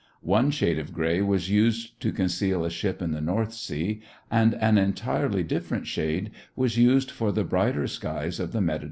One shade of gray was used to conceal a ship in the North Sea and an entirely different shade was used for the brighter skies of the Mediterranean.